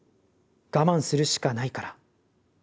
我慢するしかないから。